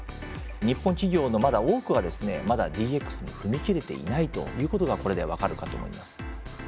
日本企業のまだ多くはまだＤＸに踏み切れていないということがこれで分かるかと思います。